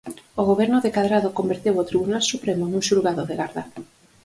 O Goberno de Cadrado converteu o Tribunal Supremo nun xulgado de garda.